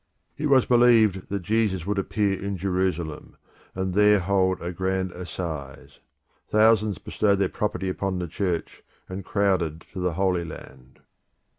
It was believed that Jesus would appear in Jerusalem, and there hold a grand assize: thousands bestowed their property upon the Church, and crowded to the Holy Land.